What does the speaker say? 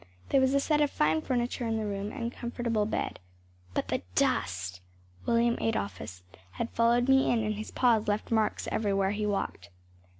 There was a set of fine furniture in the room, and a comfortable bed. But the dust! William Adolphus had followed me in and his paws left marks everywhere he walked.